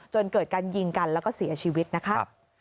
จนเกิดการยิงกันแล้วก็เสียชีวิตนะคะ